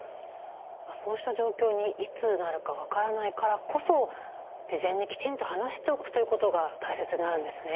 そうした状況にいつなるか分からないからこそ事前にきちんと話しておくということが大切になるんですね。